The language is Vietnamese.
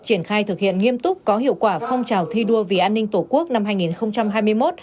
triển khai thực hiện nghiêm túc có hiệu quả phong trào thi đua vì an ninh tổ quốc năm hai nghìn hai mươi một